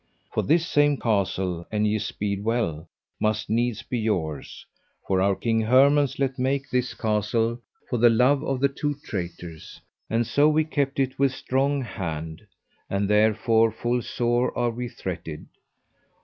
For this same castle, an ye speed well, must needs be yours; for our King Hermance let make this castle for the love of the two traitors, and so we kept it with strong hand, and therefore full sore are we threated.